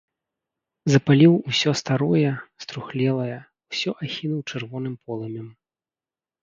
Запаліў усё старое, струхлелае, усё ахінуў чырвоным полымем.